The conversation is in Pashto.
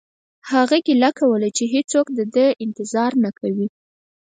هغه ګیله کوله چې هیڅوک د ده انتظار نه کوي